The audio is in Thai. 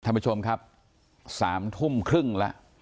ท่านผู้ชมครับ๓ทุ่มครึ่งแล้ว